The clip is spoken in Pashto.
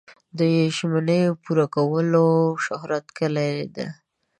د ژمنې پوره کول د شهرت کلي ده.